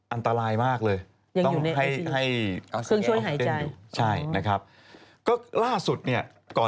อันตรายมากเลย